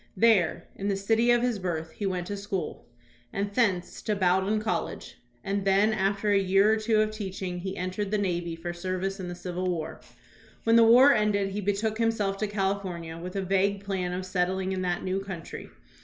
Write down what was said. There, in the city of his birth, he went to school, and thence to Bowdoin College, and then after a year or two of teaching he entered the navy for service in the Civil War. When the war ended he betook him seK to California with a vague plan of settling in that new country.